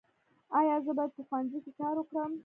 ایا زه باید په ښوونځي کې کار وکړم؟